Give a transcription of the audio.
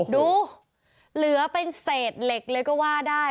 ดูเหลือเป็นเศษเหล็กเลยก็ว่าได้